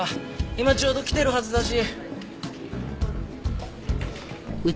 今ちょうど来てるはずだし。